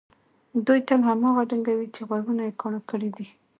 دوی تل هماغه ډنګوي چې غوږونه کاڼه کړي دي.